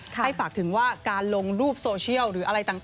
ให้ฝากถึงว่าการลงรูปโซเชียล